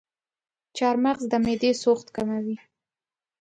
چارمغز د معدې سوخت کموي.